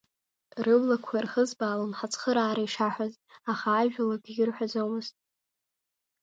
Рыблақәа ирхызбаалон ҳацхыраара ишаҳәоз, аха ажәала акгьы рҳәаӡомызт.